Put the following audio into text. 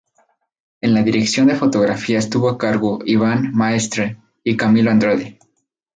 En la dirección de fotografía estuvo a cargo Iván Maestre y Camilo Andrade.